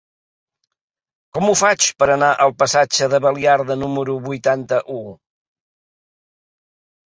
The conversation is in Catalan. Com ho faig per anar al passatge de Baliarda número vuitanta-u?